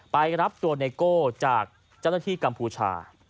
ไปรับตัวในโก้จากจัดการที่กัมพูชา